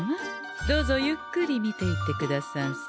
どうぞゆっくり見ていってくださんせ。